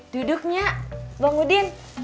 duduk nyak bang udin